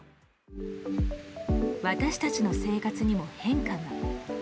私たちの生活にも変化が。